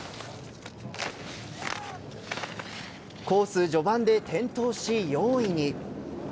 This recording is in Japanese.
コース序盤で転倒し４位に。